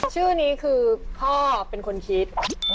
ชื่อนี้คือพ่อเป็นคนคิด